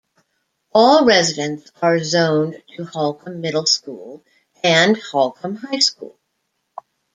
All residents are zoned to Holcomb Middle School and Holcomb High School.